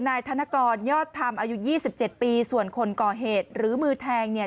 นายธนกรยอดธรรมอายุ๒๗ปีส่วนคนก่อเหตุหรือมือแทงเนี่ย